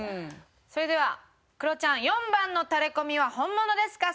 それではクロちゃん４番のタレコミは本物ですか？